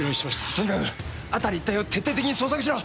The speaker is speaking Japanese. とにかく辺り一帯を徹底的に捜索しろ。